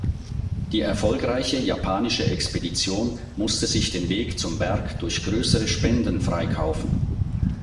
Die erfolgreiche japanische Expedition musste sich den Weg zum Berg durch größere Spenden freikaufen.